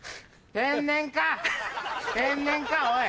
天然かおい！